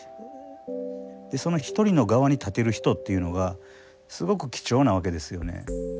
その１人の側に立てる人っていうのがすごく貴重なわけですよね。